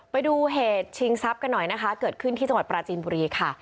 ไปดูเหตุชิงทรัพย์กันหน่อยนะคะเกิดขึ้นที่จังหวัดปราจีนบุรีค่ะ